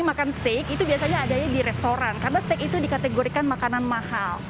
makan steak itu biasanya adanya di restoran karena steak itu dikategorikan makanan mahal